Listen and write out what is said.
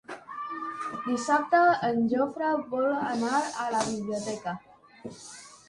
Dissabte en Jofre vol anar a la biblioteca.